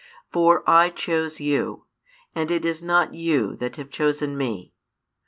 For I chose you, and it is not you that have chosen Me.